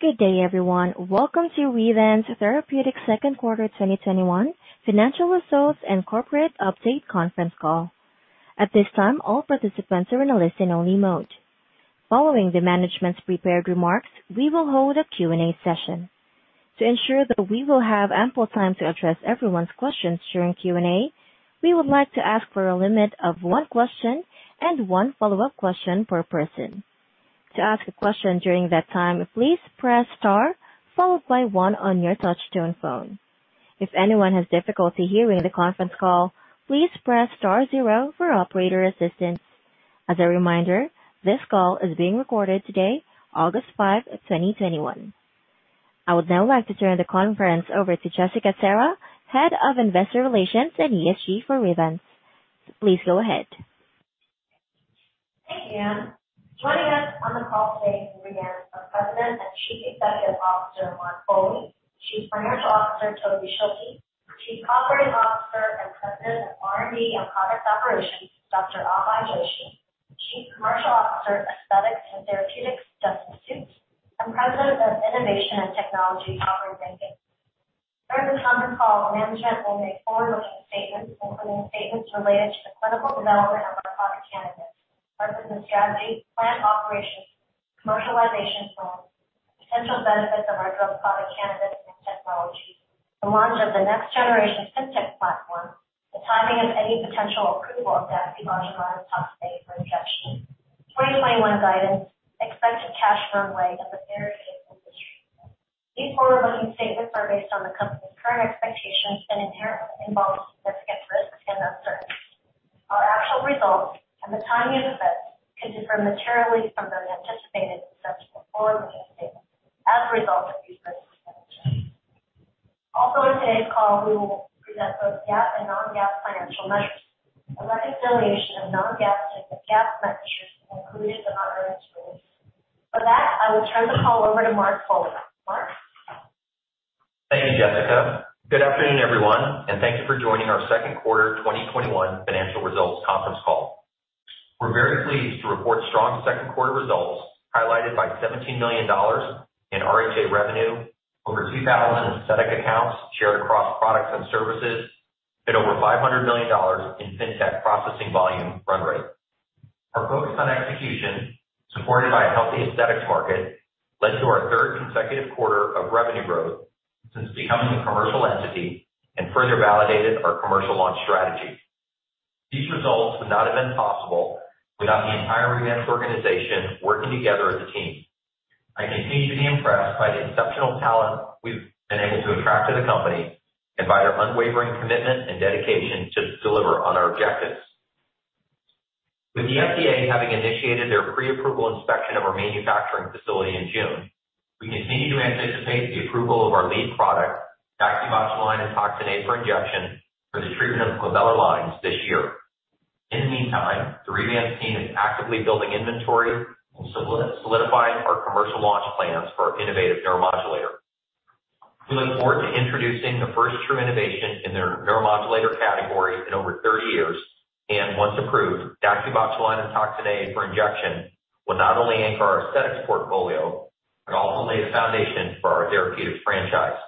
Good day, everyone. Welcome to Revance Therapeutics' second quarter 2021 financial results and corporate update conference call. I would now like to turn the conference over to Jessica Serra, Head of Investor Relations and ESG for Revance. Please go ahead. Thank you, Anne. Joining us on the call today from Revance are President and Chief Executive Officer, Mark Foley, Chief Financial Officer, Toby Schilke, Chief Operating Officer and President of R&D and Product Operations, Dr. Abhay Joshi, Chief Commercial Officer, Aesthetics and Therapeutics, Dustin Sjuts, and President of Innovation and Technology, Aubrey Rankin. During this conference call, management will make forward-looking statements, including statements related to the clinical development of our product candidates, our business strategy, plant operations, commercialization plans, potential benefits of our drug product candidates and technologies, the launch of the next generation FinTech platform, the timing of any potential approval of DaxibotulinumtoxinA for Injection, 2021 guidance, expected cash runway, and the various industry trends. These forward-looking statements are based on the company's current expectations and inherently involve significant risks and uncertainties. Our actual results and the timing of events could differ materially from those anticipated in such forward-looking statements as a result of these risks and uncertainties. On today's call, we will present both GAAP and non-GAAP financial measures. A reconciliation of non-GAAP to the GAAP measures is included in the earnings release. For that, I will turn the call over to Mark Foley. Mark? Thank you, Jessica. Good afternoon, everyone, and thank you for joining our second quarter 2021 financial results conference call. We're very pleased to report strong second quarter results, highlighted by $17 million in RHA revenue, over 2,000 aesthetic accounts shared across products and services, and over $500 million in FinTech processing volume run rate. Our focus on execution, supported by a healthy aesthetics market, led to our third consecutive quarter of revenue growth since becoming a commercial entity and further validated our commercial launch strategy. These results would not have been possible without the entire Revance organization working together as a team. I continue to be impressed by the exceptional talent we've been able to attract to the company and by their unwavering commitment and dedication to deliver on our objectives. With the FDA having initiated their pre-approval inspection of our manufacturing facility in June, we continue to anticipate the approval of our lead product, DaxibotulinumtoxinA for Injection, for the treatment of glabellar lines this year. In the meantime, the Revance team is actively building inventory and solidifying our commercial launch plans for our innovative neuromodulator. We look forward to introducing the first true innovation in the neuromodulator category in over 30 years. Once approved, DaxibotulinumtoxinA for Injection will not only anchor our aesthetics portfolio, but also lay the foundation for our therapeutics franchise.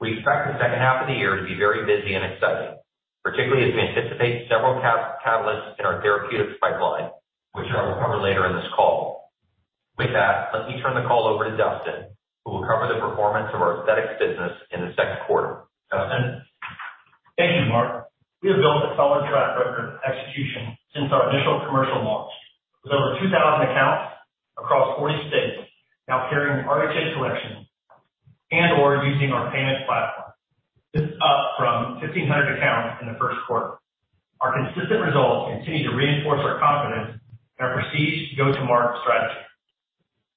We expect the second half of the year to be very busy and exciting, particularly as we anticipate several catalysts in our therapeutics pipeline, which I will cover later in this call. With that, let me turn the call over to Dustin, who will cover the performance of our aesthetics business in the second quarter. Dustin? Thank you, Mark. We have built a solid track record of execution since our initial commercial launch, with over 2,000 accounts across 40 states now carrying RHA Collection and/or using our payments platform. This is up from 1,500 accounts in the first quarter. Our consistent results continue to reinforce our confidence in our prestige go-to-market strategy.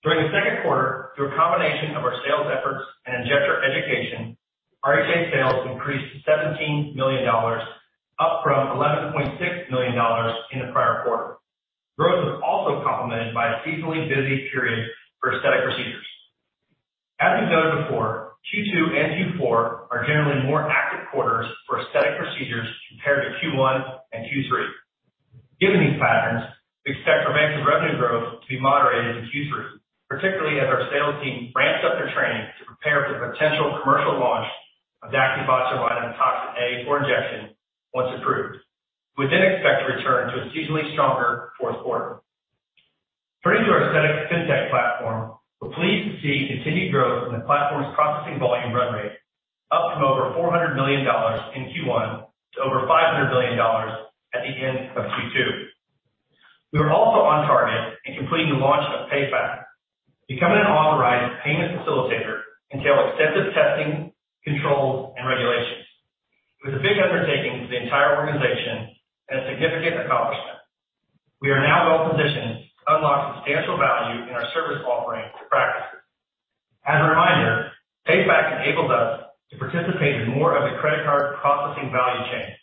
During the second quarter, through a combination of our sales efforts and injector education, RHA sales increased to $17 million, up from $11.6 million in the prior quarter. Growth was also complemented by a seasonally busy period for aesthetic procedures. As we've noted before, Q2 and Q4 are generally more active quarters for aesthetic procedures compared to Q1 and Q3. Given these patterns, we expect Revance's revenue growth to be moderated in Q3, particularly as our sales team ramps up their training to prepare for the potential commercial launch of DaxibotulinumtoxinA for Injection once approved. We expect a return to a seasonally stronger fourth quarter. Turning to our aesthetic FinTech platform, we're pleased to see continued growth in the platform's processing volume run rate, up from over $400 million in Q1 to over $500 million at the end of Q2. We are also on target in completing the launch of PayFac. Becoming an authorized payment facilitator entails extensive testing, controls, and regulations. It was a big undertaking for the entire organization and a significant accomplishment. We are now well-positioned to unlock substantial value in our service offering to practices. As a reminder, PayFac enables us to participate in more of the credit card processing value chain.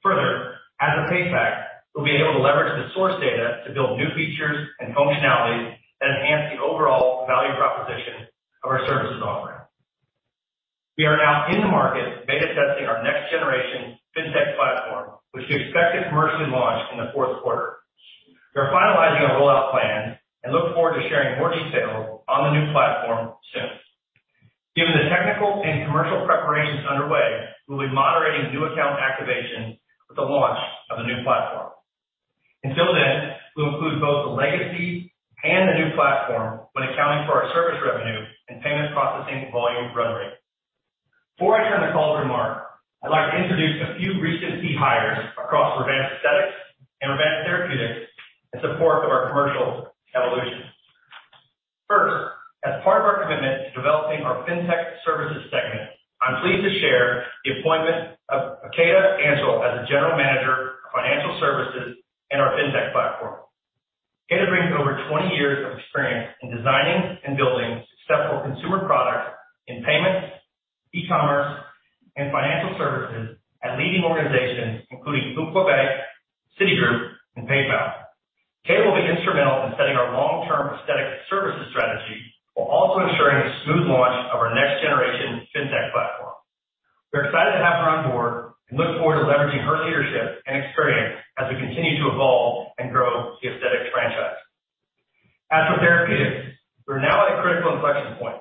Further, as a PayFac, we'll be able to leverage the source data to build new features and functionalities that enhance the overall value proposition of our services offering. We are now in the market beta testing our next-generation FinTech platform, which we expect to commercially launch in the fourth quarter. We're finalizing a rollout plan and look forward to sharing more details on the new platform soon. Given the technical and commercial preparations underway, we'll be moderating new account activation with the launch of the new platform. Until then, we'll include both the legacy and the new platform when accounting for our service revenue and payments processing volume run rate. Before I turn the call to Mark, I'd like to introduce a few recent key hires across Revance Aesthetics and Revance Therapeutics in support of our commercial evolution. First, as part of our commitment to developing our FinTech services segment, I'm pleased to share the appointment of Käthe Anchel as the General Manager of Financial Services in our FinTech platform. Käthe brings over 20 years of experience in designing and building successful consumer products in payments, e-commerce, and financial services at leading organizations including Groupe Québec, Citigroup and PayPal. Käthe will be instrumental in setting our long term aesthetic services strategy while also ensuring a smooth launch of our next generation FinTech platform. We're excited to have her on board and look forward to leveraging her leadership and experience as we continue to evolve and grow the aesthetic franchise. As for therapeutics, we're now at a critical inflection point.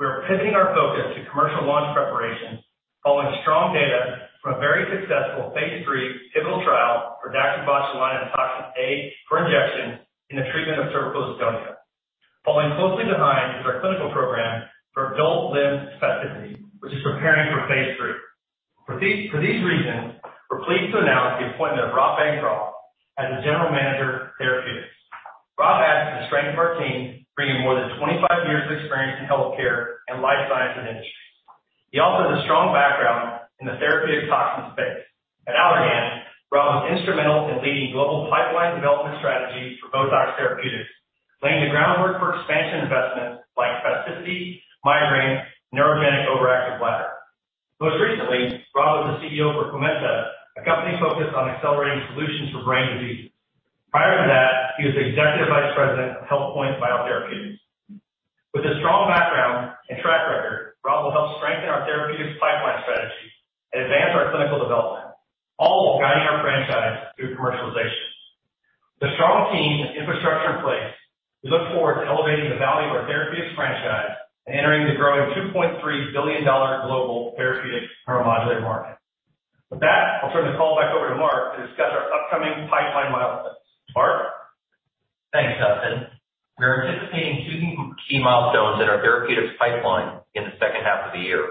We are pivoting our focus to commercial launch preparation following strong data from a very successful phase III pivotal trial for DaxibotulinumtoxinA for Injection in the treatment of cervical dystonia. Following closely behind is our clinical program for adult limb spasticity, which is preparing for phase III. For these reasons, we're pleased to announce the appointment of Rob Bancroft as the General Manager, Therapeutics. Rob adds to the strength of our team, bringing more than 25 years of experience in healthcare and life science industries. He also has a strong background in the therapeutic toxin space. At Allergan, Rob was instrumental in leading global pipeline development strategies for Botox Therapeutic, laying the groundwork for expansion investments like spasticity, migraine, neurogenic overactive bladder. Most recently, Rob was the CEO for QMENTA, a company focused on accelerating solutions for brain diseases. Prior to that, he was Executive Vice President of Healthpoint Biotherapeutics. With his strong background and track record, Rob will help strengthen our therapeutics pipeline strategy and advance our clinical development, all while guiding our franchise through commercialization. With a strong team and infrastructure in place, we look forward to elevating the value of our therapeutics franchise and entering the growing $2.3 billion global therapeutic neuromodulator market. With that, I'll turn the call back over to Mark to discuss our upcoming pipeline milestones. Mark? Thanks, Dustin. We are anticipating two key milestones in our therapeutics pipeline in the second half of the year.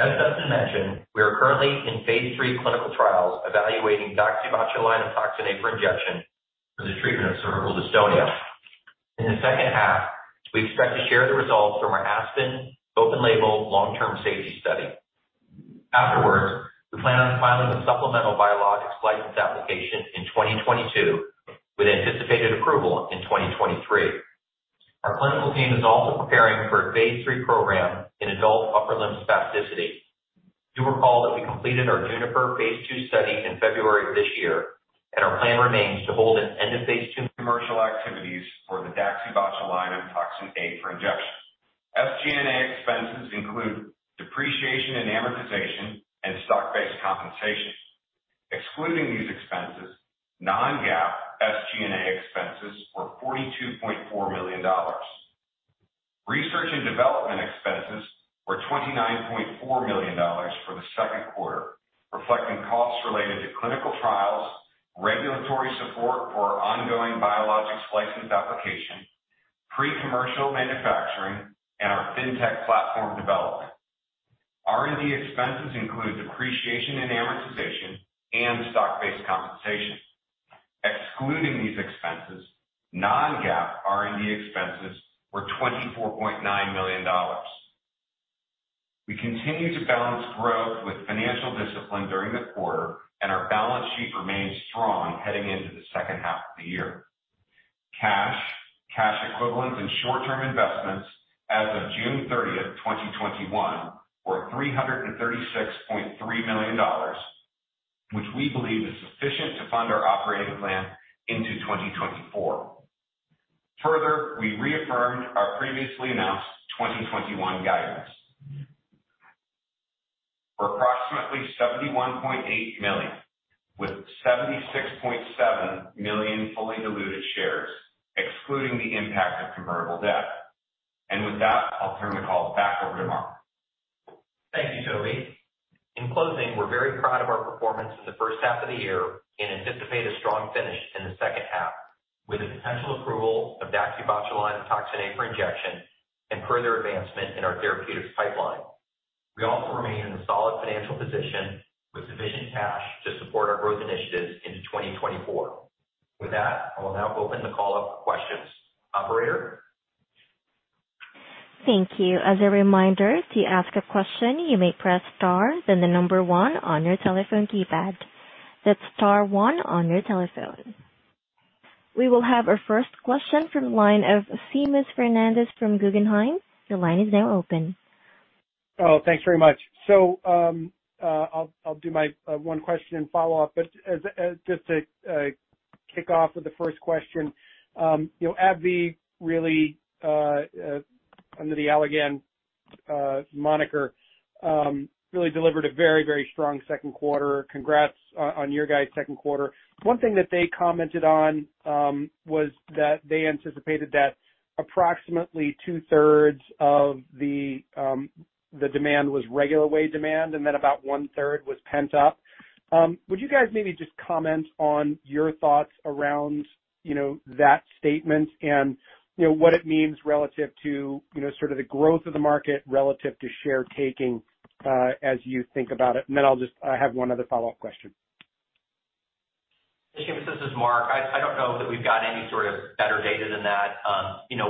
As Dustin mentioned, we are currently in phase III clinical trials evaluating DaxibotulinumtoxinA for Injection for the treatment of cervical dystonia. In the second half, we expect to share the results from our ASPEN open label long-term safety study. Afterwards, we plan on filing a supplemental Biologics License Application in 2022 with anticipated approval in 2023. Our clinical team is also preparing for a phase III program in adult upper limb spasticity. You'll recall that we completed our JUNIPER phase II study in February of this year, and our plan remains to hold an end of phase II- Commercial activities for the DaxibotulinumtoxinA for Injection. SG&A expenses include depreciation and amortization and stock-based compensation. Excluding these expenses, non-GAAP SG&A expenses were $42.4 million. Research and development expenses were $29.4 million for the second quarter, reflecting costs related to clinical trials, regulatory support for our ongoing Biologics License Application, pre-commercial manufacturing, and our FinTech platform development. R&D expenses include depreciation and amortization and stock-based compensation. Excluding these expenses, non-GAAP R&D expenses were $24.9 million. We continue to balance growth with financial discipline during the quarter, and our balance sheet remains strong heading into the second half of the year. Cash, cash equivalents, and short-term investments as of June 30, 2021, were $336.3 million, which we believe is sufficient to fund our operating plan into 2024. We reaffirmed our previously announced 2021 guidance. For approximately $71.8 million, with 76.7 million fully diluted shares, excluding the impact of convertible debt. With that, I'll turn the call back over to Mark. Thank you, Toby. In closing, we're very proud of our performance in the first half of the year and anticipate a strong finish in the second half with the potential approval of DaxibotulinumtoxinA for Injection and further advancement in our therapeutics pipeline. We also remain in a solid financial position with sufficient cash to support our growth initiatives into 2024. With that, I will now open the call up for questions. Operator? Thank you. As a reminder, to ask a question, you may press star then 1 on your telephone keypad. That's star 1 on your telephone. We will have our first question from the line of Seamus Fernandez from Guggenheim. Your line is now open. Oh, thanks very much. I'll do my 1 question and follow-up. Kick off with the 1st question. AbbVie, really, under the Allergan moniker really delivered a very strong second quarter. Congrats on your guys' second quarter. 1 thing that they commented on was that they anticipated that approximately 2/3 of the demand was regular wave demand, and then about 1/3 was pent-up. Would you guys maybe just comment on your thoughts around that statement and what it means relative to sort of the growth of the market relative to share taking as you think about it? I have 1 other follow-up question. Seamus, this is Mark Foley. I don't know that we've got any sort of better data than that.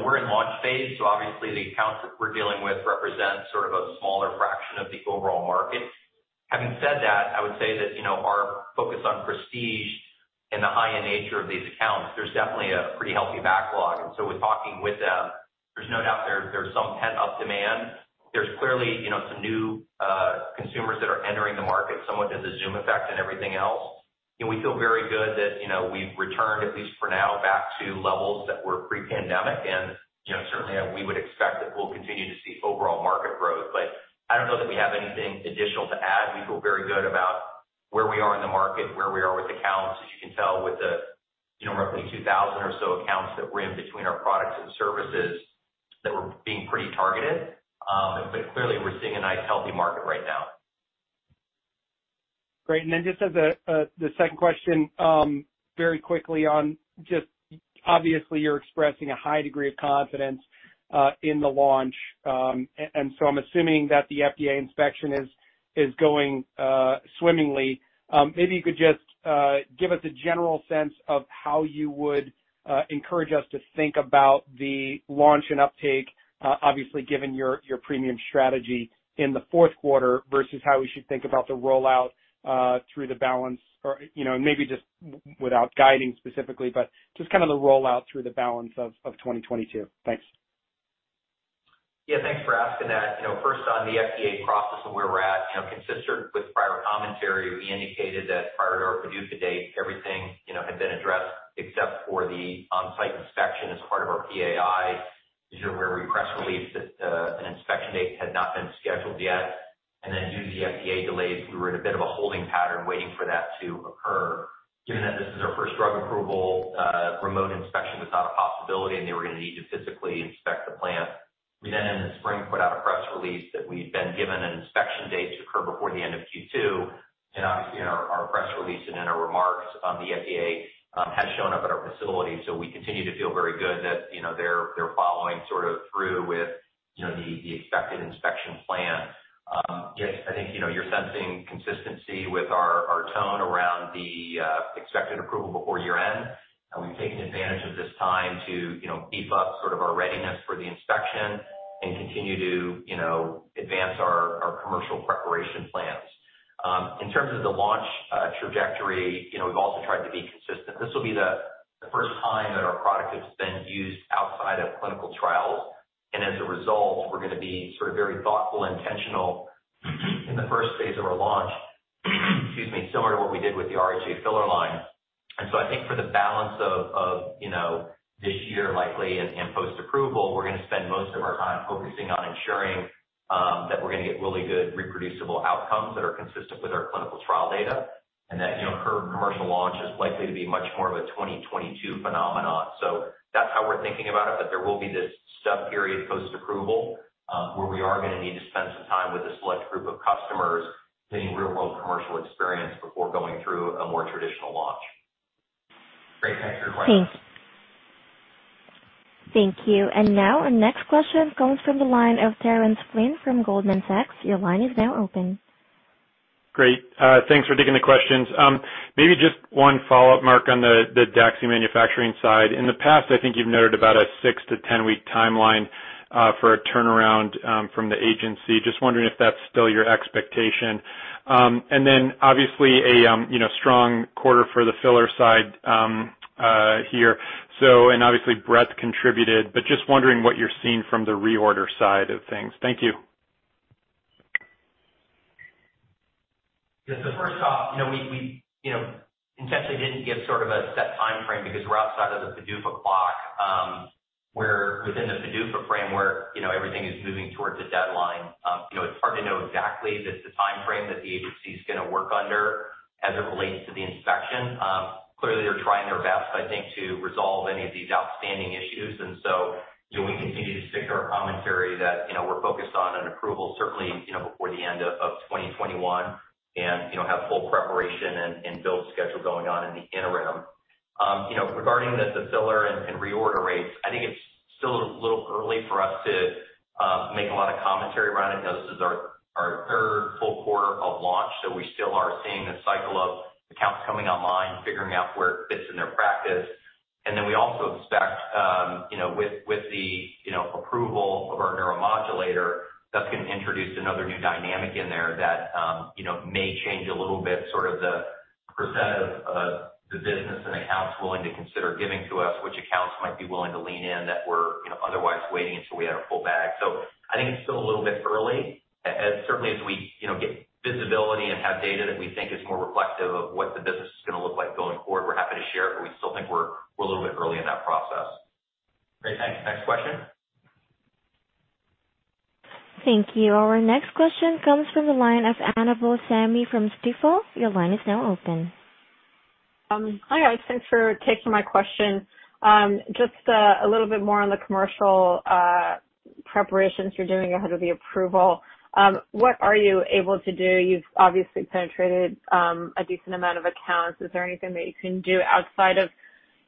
We're in launch phase, so obviously the accounts that we're dealing with represent sort of a smaller fraction of the overall market. Having said that, I would say that our focus on prestige and the high end nature of these accounts, there's definitely a pretty healthy backlog. We're talking with them. There's no doubt there's some pent-up demand. There's clearly some new consumers that are entering the market, somewhat as a Zoom effect and everything else. We feel very good that we've returned, at least for now, back to levels that were pre-pandemic and certainly we would expect that we'll continue to see overall market growth, but I don't know that we have anything additional to add. We feel very good about where we are in the market, where we are with accounts, as you can tell with the roughly 2,000 or so accounts that we're in between our products and services that we're being pretty targeted. Clearly we're seeing a nice, healthy market right now. Great. Then just as the second question, very quickly on just obviously you're expressing a high degree of confidence in the launch. So I'm assuming that the FDA inspection is going swimmingly. Maybe you could just give us a general sense of how you would encourage us to think about the launch and uptake, obviously given your premium strategy in the fourth quarter versus how we should think about the rollout through the balance, or maybe just without guiding specifically, but just kind of the rollout through the balance of 2022. Thanks. Yeah, thanks for asking that. First on the FDA process and where we're at, consistent with prior commentary, we indicated that prior to our PDUFA date, everything had been addressed except for the on-site inspection as part of our PAI. As you're aware, we press released that an inspection date had not been scheduled yet, due to the FDA delays, we were in a bit of a holding pattern waiting for that to occur. Given that this is our first drug approval, remote inspection was not a possibility, and they were going to need to physically inspect the plant. We then, in the spring, put out a press release that we'd been given an inspection date to occur before the end of Q2, and obviously in our press release and in our remarks, the FDA has shown up at our facility. We continue to feel very good that they're following sort of through with the expected inspection plan. Seamus Fernandez, I think you're sensing consistency with our tone around the expected approval before year-end, and we've taken advantage of this time to beef up sort of our readiness for the inspection and continue to advance our commercial preparation plans. In terms of the launch trajectory, we've also tried to be consistent. This will be the first time that our product has been used outside of clinical trials, and as a result, we're going to be sort of very thoughtful, intentional in the first phase of our launch, similar to what we did with the RHA Collection. I think for the balance of this year likely and post-approval, we're going to spend most of our time focusing on ensuring that we're going to get really good reproducible outcomes that are consistent with our clinical trial data, and that our commercial launch is likely to be much more of a 2022 phenomenon. That's how we're thinking about it, that there will be this sub-period post-approval, where we are going to need to spend some time with a select group of customers getting real-world commercial experience before going through a more traditional launch. Great. Thanks for the question. Thank you. Our next question comes from the line of Terence Flynn from Goldman Sachs. Your line is now open. Great, thanks for taking the questions. Maybe just one follow-up, Mark Foley, on the DAXI manufacturing side. In the past, I think you've noted about a 6 to 10-week timeline for a turnaround from the FDA. Just wondering if that's still your expectation. Obviously a strong quarter for the filler side here. Obviously breadth contributed, but just wondering what you're seeing from the reorder side of things. Thank you. Yeah. First off, we intentionally didn't give sort of a set timeframe because we're outside of the PDUFA clock, where within the PDUFA framework everything is moving towards a deadline. It's hard to know exactly that the timeframe that the agency's going to work under as it relates to the inspection. Clearly, they're trying their best, I think, to resolve any of these outstanding issues. We continue to stick to our commentary that we're focused on an approval certainly before the end of 2021 and have full preparation and build schedule going on in the interim. Regarding the filler and reorder rates, I think it's still a little early for us to make a lot of commentary around it. This is our third full quarter of launch. We still are seeing the cycle of accounts coming online, figuring out where it fits in their practice. We also expect with the approval of our neuromodulator, that's going to introduce another new dynamic in there that may change a little bit sort of the percent of the business and accounts willing to consider giving to us, which accounts might be willing to lean in that were otherwise waiting until we had a full bag. I think it's still a little bit early. Certainly, as we get visibility and have data that we think is more reflective of what the business is going to look like going forward, we're happy to share it, but we still think we're a little bit early in that process. Great, thanks. Next question? Thank you. Our next question comes from the line of Annabel Samimy from Stifel. Your line is now open. Hi, guys. Thanks for taking my question. Just a little bit more on the commercial preparations you're doing ahead of the approval. What are you able to do? You've obviously penetrated a decent amount of accounts. Is there anything that you can do outside of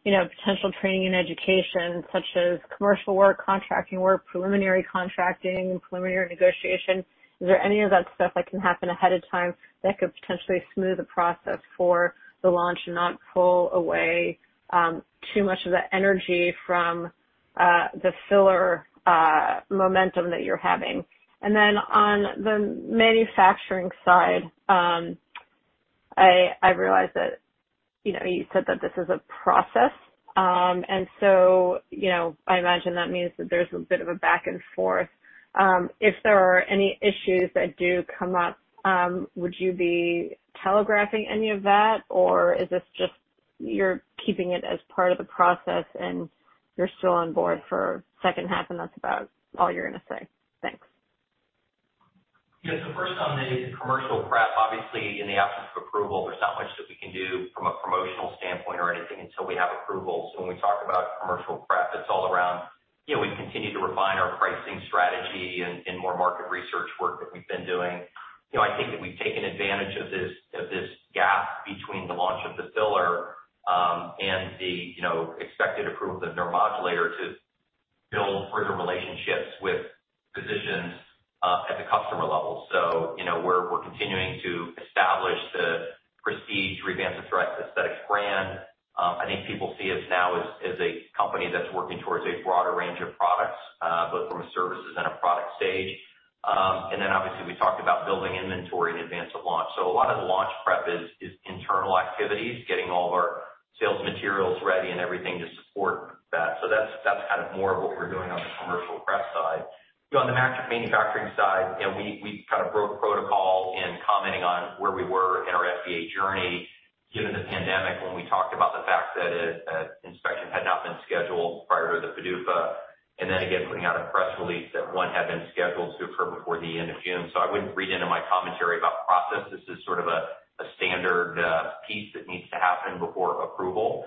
potential training and education, such as commercial work, contracting work, preliminary contracting, preliminary negotiation? Is there any of that stuff that can happen ahead of time that could potentially smooth the process for the launch and not pull away too much of the energy from the filler momentum that you're having? Then on the manufacturing side, I realize that you said that this is a process. So I imagine that means that there's a bit of a back and forth. If there are any issues that do come up, would you be telegraphing any of that, or is this just you're keeping it as part of the process and you're still on board for second half, and that's about all you're going to say? Thanks. First on the commercial prep, obviously in the absence of approval, there's not much that we can do from a promotional standpoint or anything until we have approval. When we talk about commercial prep, that's all around, we've continued to refine our pricing strategy and more market research work that we've been doing. I think that we've taken advantage of this gap between the launch of the filler and the expected approval of the neuromodulator to build further relationships with physicians at the customer level. We're continuing to establish the prestige Revance Therapeutics aesthetics brand. I think people see us now as a company that's working towards a broader range of products both from a services and a product stage. Obviously we talked about building inventory in advance of launch. A lot of the launch prep is internal activities, getting all of our sales materials ready and everything to support that. That's more of what we're doing on the commercial prep side. On the manufacturing side, we kind of broke protocol in commenting on where we were in our FDA journey given the pandemic when we talked about the fact that an inspection had not been scheduled prior to the PDUFA, and then again putting out a press release that one had been scheduled to occur before the end of June. I wouldn't read into my commentary about process. This is sort of a standard piece that needs to happen before approval.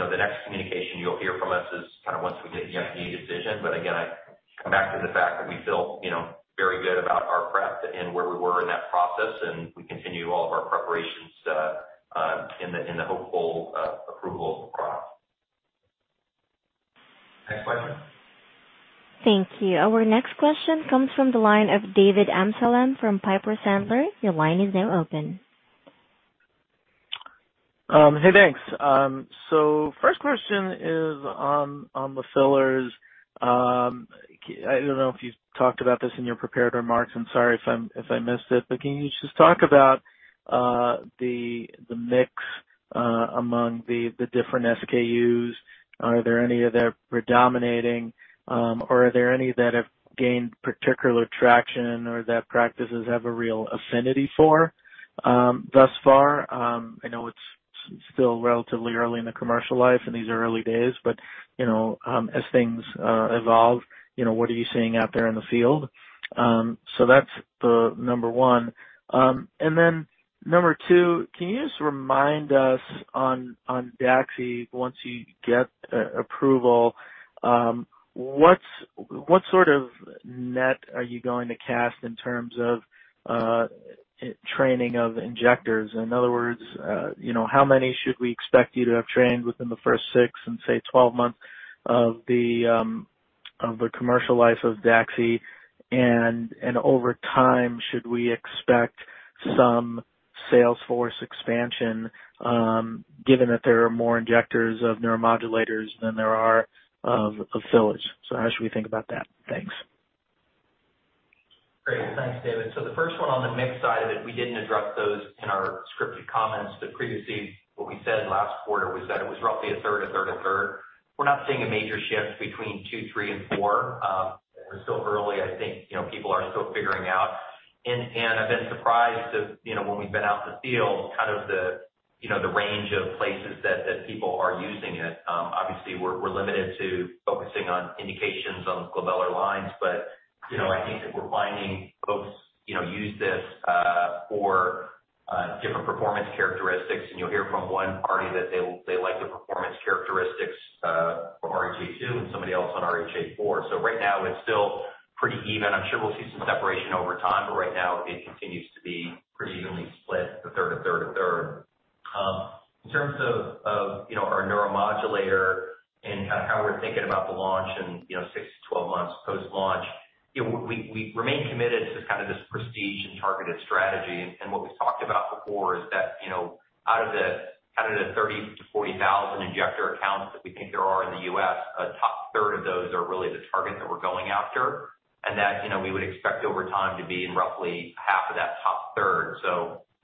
The next communication you'll hear from us is kind of once we get the FDA decision. Again, I come back to the fact that we feel very good about our prep and where we were in that process and we continue all of our preparations in the hopeful approval of the product. Next question. Thank you. Our next question comes from the line of David Amsellem from Piper Sandler. Your line is now open. Hey, thanks. First question is on the fillers. I don't know if you talked about this in your prepared remarks. I'm sorry if I missed it, but can you just talk about the mix among the different SKUs? Are there any that are predominating or are there any that have gained particular traction or that practices have a real affinity for thus far? I know it's still relatively early in the commercial life in these early days, but as things evolve, what are you seeing out there in the field? That's the number 1. Number 2, can you just remind us on DAXI, once you get approval, what sort of net are you going to cast in terms of training of injectors? In other words, how many should we expect you to have trained within the first 6 and say 12 months of the commercial life of DAXI? Over time, should we expect some sales force expansion given that there are more injectors of neuromodulators than there are of fillers? How should we think about that? Thanks. Great. Thanks, David. The first one on the mix side of it, we didn't address those in our scripted comments, but previously what we said last quarter was that it was roughly a third, a third, a third. We're not seeing a major shift between 2, 3 and 4. We're still early. I think people are still figuring out and I've been surprised at when we've been out in the field kind of the range of places that people are using it. Obviously we're limited to focusing on indications on the glabellar lines, but I think that we're finding folks use this for different performance characteristics and you'll hear from one party that they like the performance characteristics from RHA 2 and somebody else on RHA 4. Right now it's still pretty even. I'm sure we'll see some separation over time. Right now it continues to be pretty evenly split to third, a third, a third. In terms of our neuromodulator and kind of how we're thinking about the launch in 6-12 months post-launch, we remain committed to kind of this prestige and targeted strategy. What we've talked about before is that out of the 30,000-40,000 injector accounts that we think there are in the U.S., a top third of those are really the target that we're going after. That we would expect over time to be in roughly half of that top third.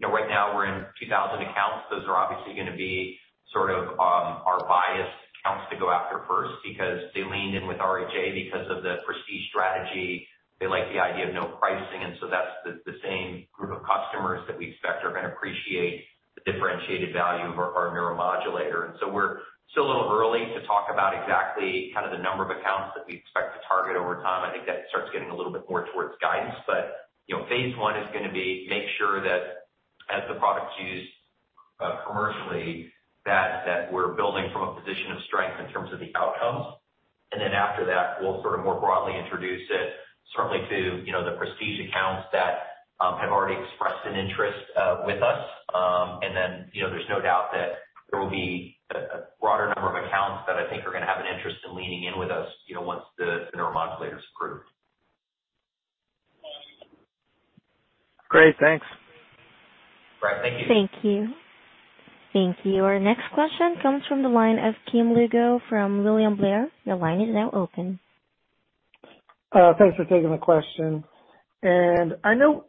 Right now we're in 2,000 accounts. Those are obviously going to be sort of our biased accounts to go after first because they leaned in with RHA because of the prestige strategy. They like the idea of no pricing and so that's the same group of customers that we expect are going to appreciate the differentiated value of our neuromodulator. We're still a little early to talk about exactly kind of the number of accounts that we expect to target over time. I think that starts getting a little bit more towards guidance. Phase 1 is going to be make sure that as the product's used commercially, that we're building from a position of strength in terms of the outcomes. After that, we'll sort of more broadly introduce it, certainly to the prestige accounts that have already expressed an interest with us. There's no doubt that there will be a broader number of accounts that I think are going to have an interest in leaning in with us once the neuromodulator's approved. Great. Thanks. Right. Thank you. Thank you. Thank you. Our next question comes from the line of Tim Lugo from William Blair. Your line is now open. Thanks for taking the question. I know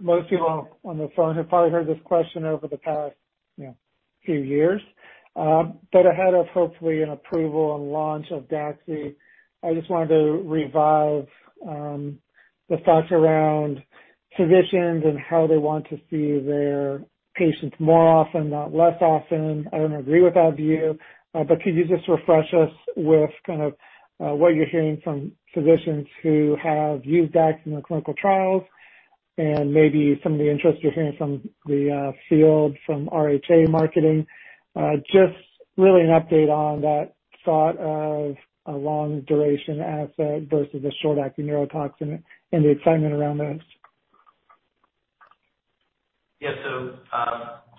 most people on the phone have probably heard this question over the past few years. Ahead of hopefully an approval and launch of DAXI, I just wanted to revive the thoughts around physicians and how they want to see their patients more often, not less often. I don't agree with that view. Could you just refresh us with kind of what you're hearing from physicians who have used DAXI in the clinical trials and maybe some of the interest you're hearing from the field, from RHA? Just really an update on that thought of a long duration asset versus a short acting neurotoxin and the excitement around those. Yeah.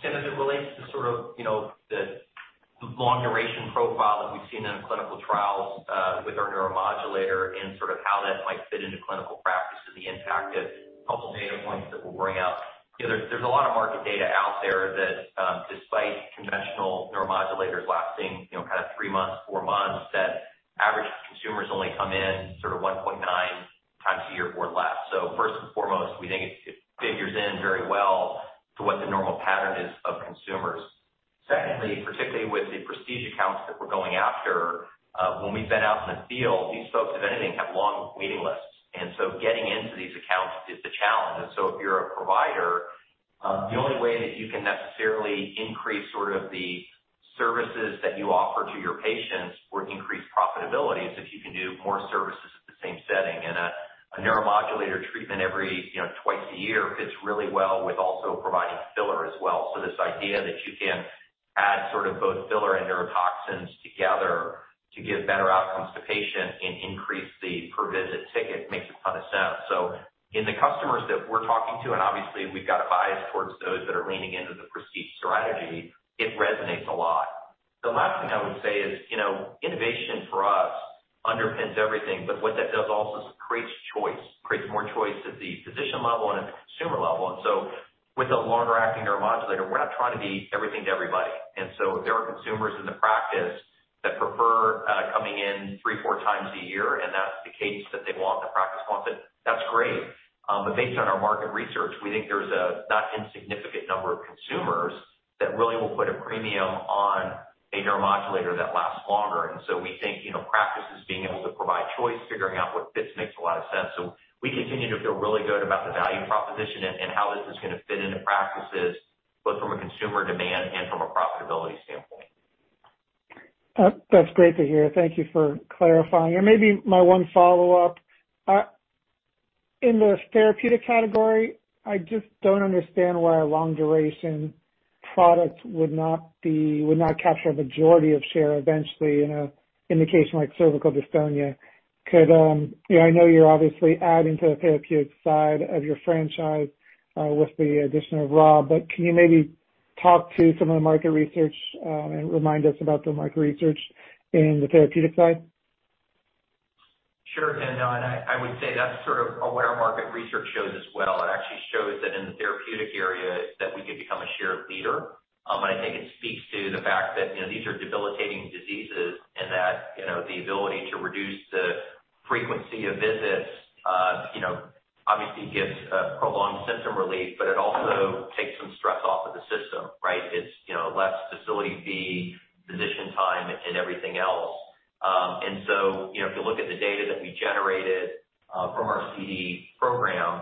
Tim, as it relates to sort of the long duration profile that we've seen in clinical trials with our neuromodulator and sort of how that might fit into clinical practice and the impact of a couple data points that we'll bring out. There's a lot of market data out there that despite conventional neuromodulators lasting kind of 3 months, 4 months, that average consumers only come in sort of 1.9 times a year or less. First and foremost, we think it figures in very well to what the normal pattern is of consumers. Secondly, particularly with the prestige accounts that we're going after, when we've been out in the field, these folks, if anything, have long waiting lists. Getting into these accounts is a challenge. If you're a provider, the only way that you can necessarily increase sort of the services that you offer to your patients or increase profitability is if you can do more services at the same setting. A neuromodulator treatment every twice a year fits really well with also providing filler as well. This idea that you can add sort of both filler and neurotoxins together to give better outcomes to patients and increase the per visit ticket makes a ton of sense. In the customers that we're talking to, and obviously we've got a bias towards those that are leaning into the prestige strategy, it resonates a lot. The last thing I would say is, innovation for us underpins everything. What that does also is creates choice. Creates more choice at the physician level and at the consumer level. With a longer acting neuromodulator, we're not trying to be everything to everybody. If there are consumers in the practice that prefer coming in three, four times a year, and that's the case that they want, the practice wants it, that's great. Based on our market research, we think there's a not insignificant number of consumers that really will put a premium on a neuromodulator that lasts longer. We think practices being able to provide choice, figuring out what fits makes a lot of sense. We continue to feel really good about the value proposition and how this is going to fit into practices, both from a consumer demand and from a profitability standpoint. That's great to hear. Thank you for clarifying. Maybe my one follow-up. In the therapeutic category, I just don't understand why a long duration product would not capture a majority of share eventually in an indication like cervical dystonia. I know you're obviously adding to the therapeutic side of your franchise with the addition of Rob Bancroft, but can you maybe talk to some of the market research, and remind us about the market research in the therapeutic side? Sure Tim. No, I would say that's sort of what our market research shows as well. It actually shows that in the therapeutic area, that we could become a shared leader. I think it speaks to the fact that these are debilitating diseases and that the ability to reduce the frequency of visits obviously gives prolonged symptom relief, but it also takes some stress off of the system, right? It's less facility fee, physician time, and everything else. If you look at the data that we generated from our CD program,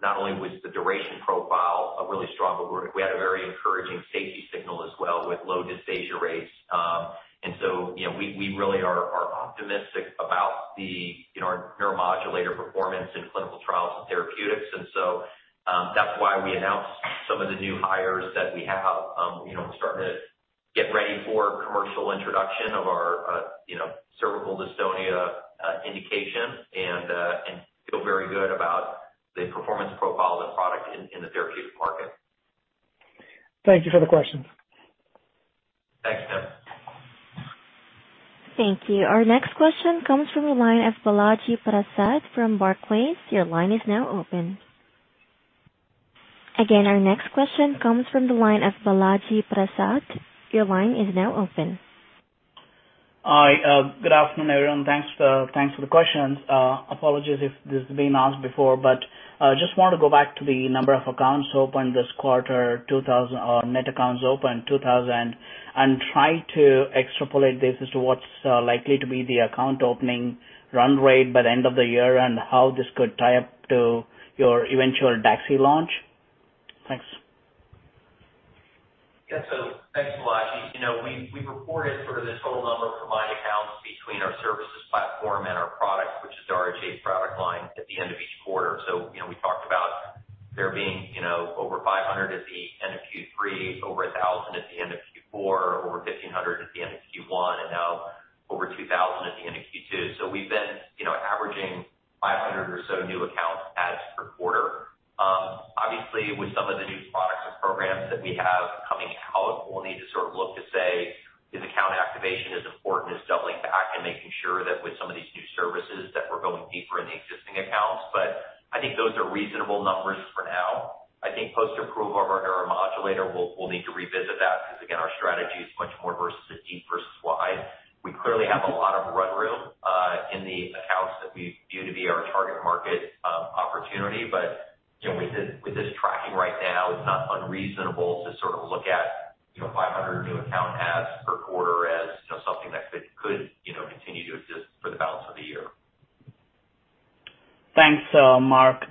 not only was the duration profile really strong, but we had a very encouraging safety signal as well with low dysphagia rates. We really are optimistic about our neuromodulator performance in clinical trials and therapeutics. That's why we announced some of the new hires that we have. We're starting to get ready for commercial introduction of our cervical dystonia indication and feel very good about the performance profile of the product in the therapeutic market. Thank you for the question. Thanks, Tim. Thank you. Our next question comes from the line of Balaji Prasad from Barclays. Again, our next question comes from the line of Balaji Prasad. Hi. Good afternoon, everyone. Thanks for the questions. Apologies if this has been asked before, but just want to go back to the number of accounts opened this quarter, or net accounts opened, 2,000, and try to extrapolate this as to what's likely to be the account opening run rate by the end of the year and how this could tie up to your eventual DAXI launch. Thanks. We reported sort of the total number of combined accounts between our services platform and our products, which is the RHA product line, at the end of each quarter. We talked about there being over 500 at the end of Q3, over 1,000 at the end of Q4, over 1,500 at the end of Q1, and now over 2,000 at the end of Q2. We've been averaging 500 or so new account adds per quarter. Obviously, with some of the new products and programs that we have coming out, we'll need to sort of look to say if account activation is important as doubling back and making sure that with some of these new services, that we're going deeper in the existing accounts.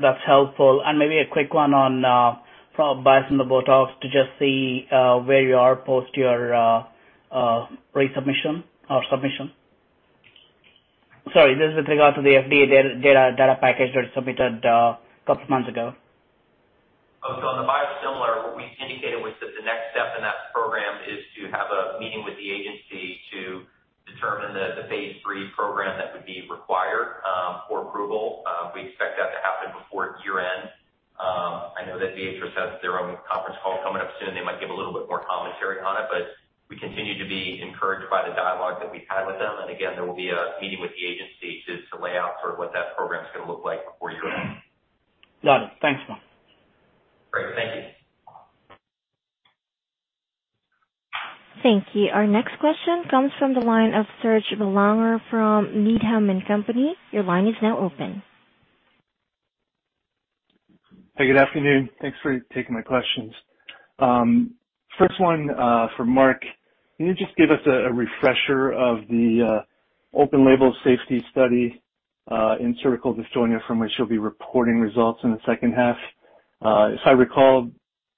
That's helpful. Maybe a quick one on biosimilar BOTOX to just see where you are post your submission. Sorry, this is with regard to the FDA data package that was submitted a couple of months ago. On the biosimilar, what we indicated was that the next step in that program is to have a meeting with the agency to determine the phase III program that would be required for approval. We expect that to happen before year-end. I know that Viatris has their own conference call coming up soon. They might give a little bit more commentary on it. We continue to be encouraged by the dialogue that we've had with them. Again, there will be a meeting with the agency to lay out sort of what that program's going to look like before year-end. Got it. Thanks, Mark. Great. Thank you. Thank you. Our next question comes from the line of Serge Belanger from Needham & Company. Your line is now open. Hey, good afternoon. Thanks for taking my questions. First one for Mark. Can you just give us a refresher of the open label safety study in cervical dystonia from which you'll be reporting results in the second half? If I recall,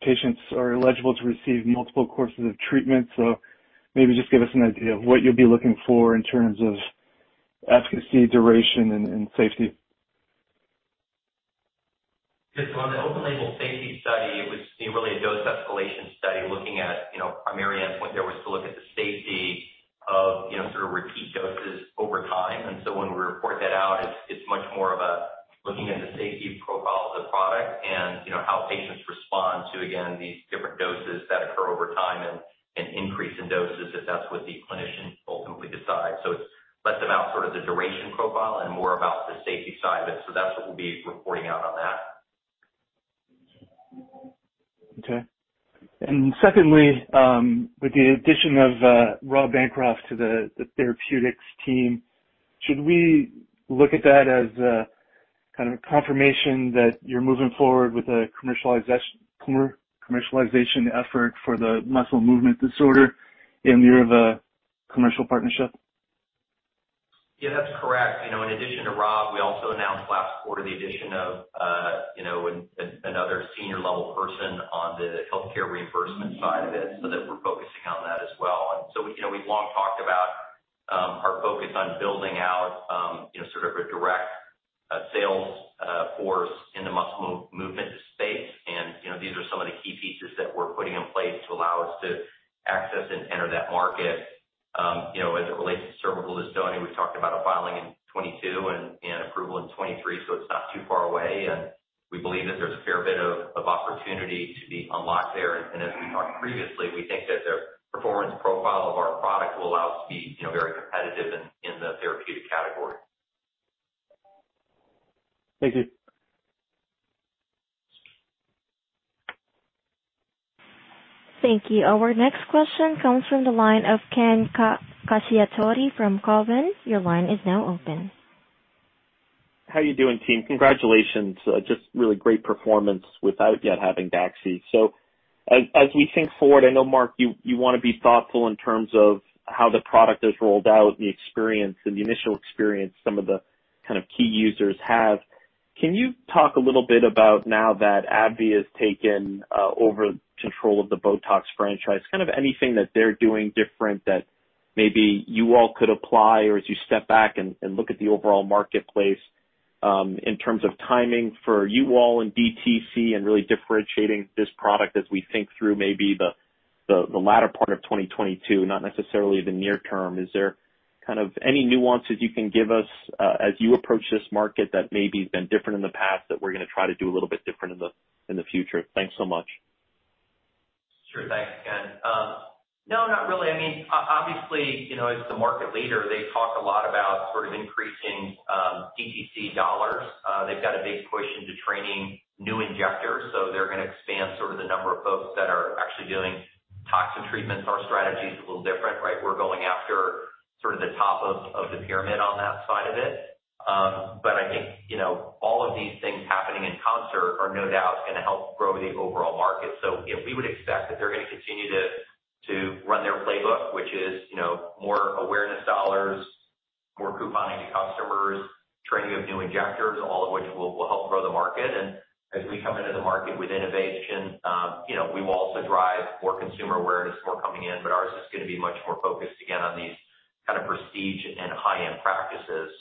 patients are eligible to receive multiple courses of treatment, so maybe just give us an idea of what you'll be looking for in terms of efficacy, duration, and safety. Yes. On the open label safety study, it was really a dose escalation study looking at primary endpoint there was to look at the safety of sort of repeat doses over time. When we report that out, it's much more of a looking at the safety profile of the product and how patients respond to, again, these different doses that occur over time and an increase in doses if that's what the clinicians ultimately decide. It's less about sort of the duration profile and more about the safety side of it. That's what we'll be reporting out on that. Okay. Secondly, with the addition of Rob Bancroft to the therapeutics team, should we look at that as a kind of a confirmation that you're moving forward with a commercialization effort for the muscle movement disorder in lieu of a commercial partnership? Yeah, that's correct. In addition to Rob, we also announced last quarter the addition of another senior level person on the healthcare reimbursement side of it, so that we're focusing on that as well. We've long talked about our focus on building out sort of a direct sales force in the muscle movement space. These are some of the key pieces that we're putting in place to allow us to access and enter that market. As it relates to cervical dystonia, we talked about a filing in 2022 and an approval in 2023, so it's not too far away, and we believe that there's a fair bit of opportunity to be unlocked there. As we talked previously, we think that the performance profile of our product will allow us to be very competitive in the therapeutic category. Thank you. Thank you. Our next question comes from the line of Ken Cacciatore from Cowen. Your line is now open. How you doing, team? Congratulations. Just really great performance without yet having DAXI. As we think forward, I know, Mark, you want to be thoughtful in terms of how the product is rolled out, the experience and the initial experience some of the kind of key users have. Can you talk a little bit about now that AbbVie has taken over control of the BOTOX franchise, kind of anything that they're doing different that maybe you all could apply or as you step back and look at the overall marketplace, in terms of timing for you all and DTC and really differentiating this product as we think through maybe the latter part of 2022, not necessarily the near term. Is there kind of any nuances you can give us as you approach this market that maybe has been different in the past that we're going to try to do a little bit different in the future? Thanks so much. Sure. Thanks again. No, not really. Obviously, as the market leader, they talk a lot about sort of increasing DTC $. They've got a big push into training new injectors, so they're going to expand sort of the number of folks that are actually doing toxin treatments. Our strategy's a little different, right? We're going after sort of the top of the pyramid on that side of it. I think all of these things happening in concert are no doubt going to help grow the overall market. We would expect that they're going to continue to run their playbook. More awareness $, more couponing to customers, training of new injectors, all of which will help grow the market. As we come into the market with innovation, we will also drive more consumer awareness for coming in, but ours is going to be much more focused, again, on these kind of prestige and high-end practices.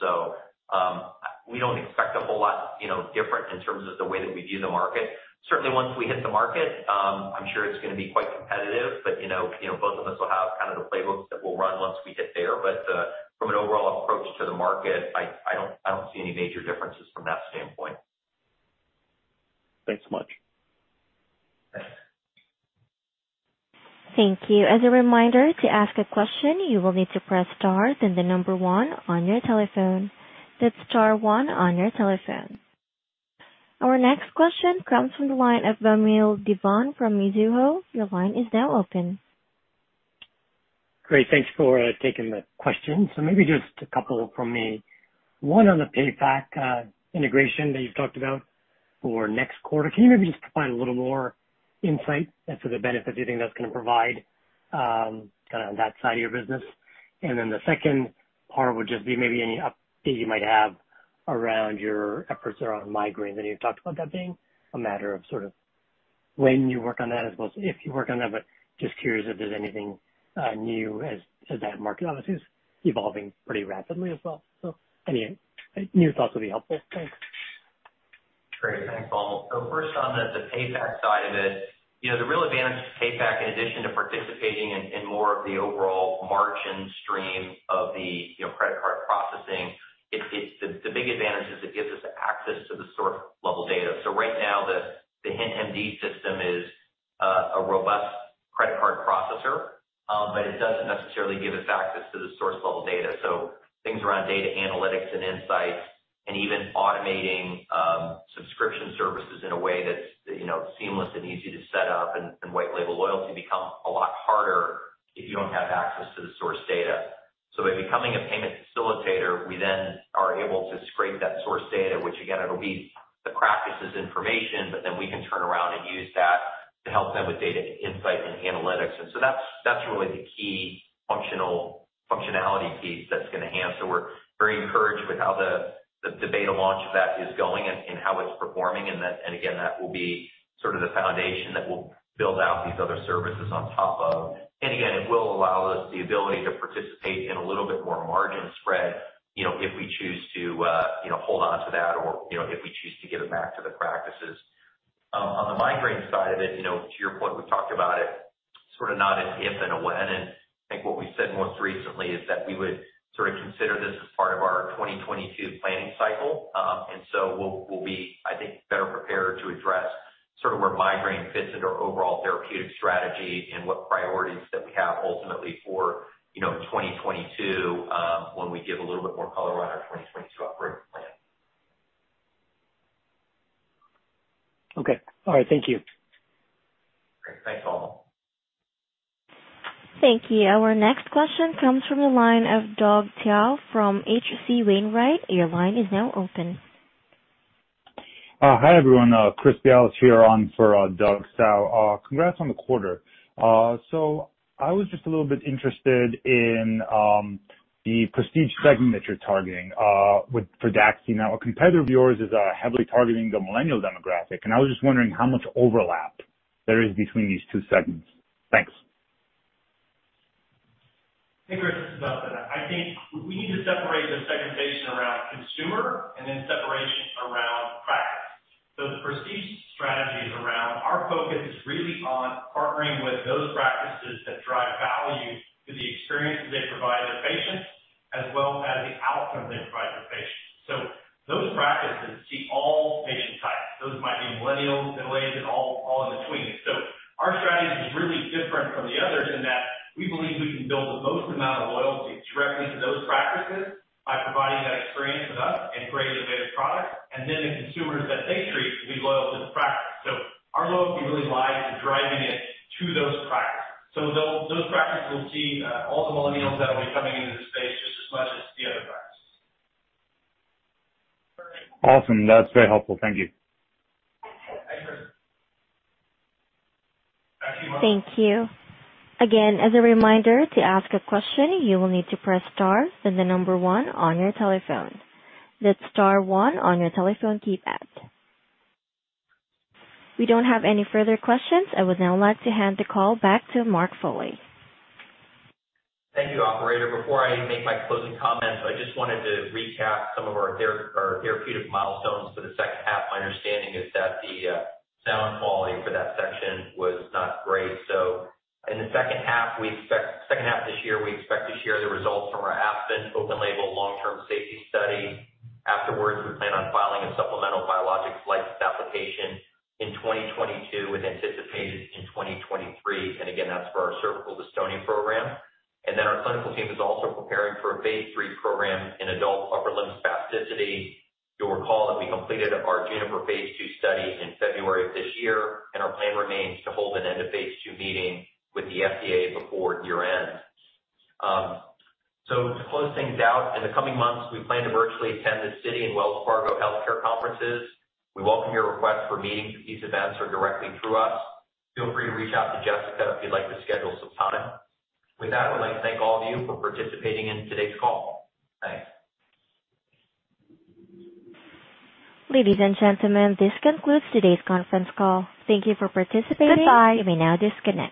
We don't expect a whole lot different in terms of the way that we view the market. Certainly, once we hit the market, I'm sure it's going to be quite competitive, but both of us will have the playbooks that we'll run once we get there. From an overall approach to the market, I don't see any major differences from that standpoint. Thanks much. Thanks. Thank you. As a reminder, to ask a question, you will need to press star, then the number one on your telephone. That's star one on your telephone. Our next question comes from the line of Vamil Divan from Mizuho. Great. Thanks for taking the question. Maybe just a couple from me. One on the PayFac integration that you've talked about for next quarter. Can you maybe just provide a little more insight as to the benefits you think that's going to provide on that side of your business? The second part would just be maybe any update you might have around your efforts around migraine. I know you've talked about that being a matter of sort of when you work on that as opposed to if you work on that. Just curious if there's anything new as that market obviously is evolving pretty rapidly as well. Any new thoughts would be helpful. Thanks. Great. Thanks, Vamil. First on the PayFac side of it. The real advantage of PayFac, in addition to participating in more of the overall margin stream of the credit card processing, the big advantage is it gives us access to the source level data. Right now, the HintMD system is a robust credit card processor, but it doesn't necessarily give us access to the source level data. Things around data analytics and insights and even automating subscription services in a way that's seamless and easy to set up and white label loyalty become a lot harder if you don't have access to the source data. By becoming a payment facilitator, we then are able to scrape that source data, which again, it'll be the practice's information, but then we can turn around and use that to help them with data insight and analytics. That's really the key functionality piece that's going to enhance. We're very encouraged with how the beta launch of that is going and how it's performing and again, that will be sort of the foundation that we'll build out these other services on top of. Again, it will allow us the ability to participate in a little bit more margin spread, if we choose to hold onto that or if we choose to give it back to the practices. On the migraine side of it, to your point, we've talked about it sort of not as if and a when, and I think what we said most recently is that we would sort of consider this as part of our 2022 planning cycle. We'll be, I think, better prepared to address sort of where migraine fits into our overall therapeutic strategy and what priorities that we have ultimately for 2022, when we give a little bit more color on our 2022 operating plan. Okay. All right. Thank you. Great. Thanks, Vamil. Thank you. Our next question comes from the line of Doug Tsao from H.C. Wainwright. Your line is now open. Hi, everyone. Chris Bialas here on for Doug Tsao. Congrats on the quarter. I was just a little bit interested in the prestige segment that you're targeting for DAXI now. A competitor of yours is heavily targeting the millennial demographic, I was just wondering how much overlap there is between these two segments. Thanks. Chris Bialas, this is Dustin. I think we need to separate the segmentation around consumer and then separation around practice. The prestige strategy is around our focus really on partnering with those practices that drive value through the experiences they provide their patients, as well as the outcomes they provide their patients. Those practices see all patient types. Those might be millennials, Gen Zs, and all in between. Our strategy is really different from the others in that we believe we can build the most amount of loyalty directly to those practices by providing that experience with us and great innovative product. The consumers that they treat will be loyal to the practice. Our loyalty really lies in driving it to those practices. Those practices will see all the millennials that'll be coming into the space just as much as the other practices. Awesome. That's very helpful. Thank you. Thanks, Chris. Thank you. We don't have any further questions. I would now like to hand the call back to Mark Foley. Thank you, operator. Before I make my closing comments, I just wanted to recap some of our therapeutic milestones for the second half. My understanding is that the sound quality for that section was not great. In the second half of this year, we expect to share the results from our ASPEN open label long-term safety study. Afterwards, we plan on filing a supplemental Biologics License Application in 2022 with anticipation in 2023. Again, that's for our cervical dystonia program. Our clinical team is also preparing for a phase III program in adult upper limb spasticity. You'll recall that we completed our JUNIPER phase II study in February of this year, and our plan remains to hold an end of phase II meeting with the FDA before year end. To close things out, in the coming months, we plan to virtually attend the Citi and Wells Fargo healthcare conferences. We welcome your request for meetings at these events or directly through us. Feel free to reach out to Jessica if you'd like to schedule some time. With that, I'd like to thank all of you for participating in today's call. Thanks. Ladies and gentlemen, this concludes today's conference call. Thank you for participating. You may now disconnect.